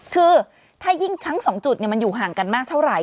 คือถ้ายิ่งทั้ง๒จุดมันอยู่ห่างกันมากเท่าไหร